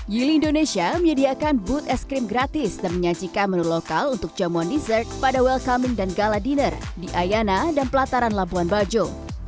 yili indonesia menyediakan booth es krim gratis dan menyajikan menu lokal untuk jamuan dessert pada welcoming dan gala dinner di ayana dan pelataran labuan bajo